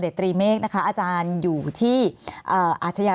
มีความรู้สึกว่ามีความรู้สึกว่า